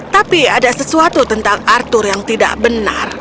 tapi ada sesuatu tentang arthur yang tidak benar